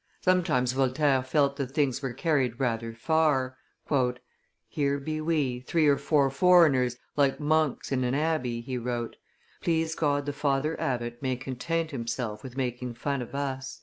Sometimes Voltaire felt that things were carried rather far. "Here be we, three or four foreigners, like monks in an abbey," he wrote; "please God the father abbot may content himself with making fun of us."